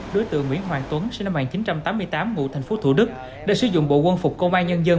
đối tượng nguyễn hoàng tuấn sinh năm một nghìn chín trăm tám mươi tám ngụ tp thủ đức đã sử dụng bộ quân phục công an nhân dân